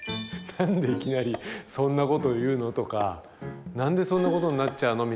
「何でいきなりそんなこと言うの？」とか「何でそんなことになっちゃうの？」